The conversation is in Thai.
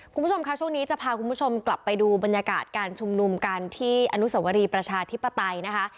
คุณผู้ชมค่ะช่วงนี้จะพาคุณผู้ชมกลับไปดูบรรยากาศการชุมนุมกันที่อนุสวรีประชาธิปไตยนะคะ